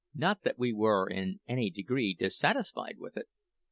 Not that we were in any degree dissatisfied with it.